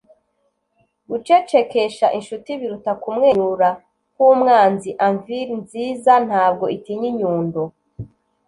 gucecekesha inshuti biruta kumwenyura kwumwanzi anvil nziza ntabwo itinya inyundo.